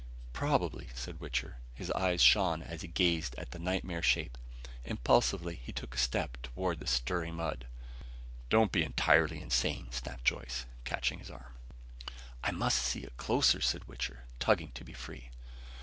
"Probably," said Wichter. His eyes shone as he gazed at the nightmare shape. Impulsively he took a step toward the stirring mud. "Don't be entirely insane," snapped Joyce, catching his arm. "I must see it closer," said Wichter, tugging to be free.